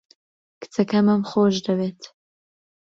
کچەکەمم خۆش دەوێت.